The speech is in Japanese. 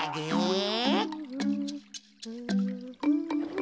え！